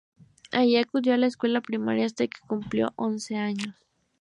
Allí acudió a la escuela primaria hasta que cumplió once años.